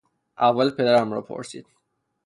احوال پدرم را پرسید.